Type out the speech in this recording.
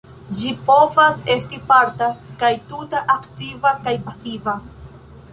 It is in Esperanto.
Ĝi povas esti parta kaj tuta, aktiva kaj pasiva.